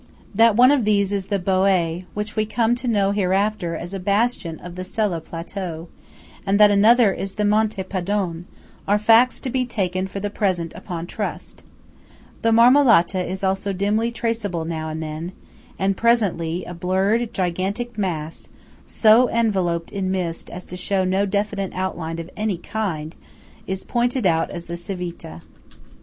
That one of these is the Boé (which we come to know hereafter as a bastion of the Sella plateau) and that another is the Monte Padon, are facts to be taken for the present upon trust. The Marmolata is also dimly traceable now and then; and presently a blurred, gigantic mass so enveloped in mist as to show no definite outline of any kind, is pointed out as the Civita.